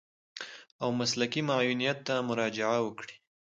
او مسلکي معاونيت ته مراجعه وکړي.